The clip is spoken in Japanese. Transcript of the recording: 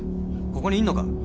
ここにいんのか？